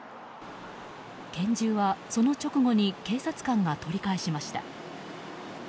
拳銃は、その直後に警察官が取り返しました。